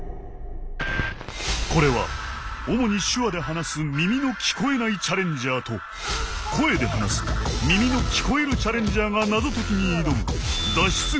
これは主に手話で話す耳の聞こえないチャレンジャーと声で話す耳の聞こえるチャレンジャーが謎解きに挑む脱出